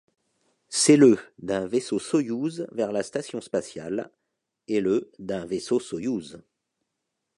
C'est le d'un vaisseau Soyouz vers la station spatiale et le d'un vaisseau Soyouz.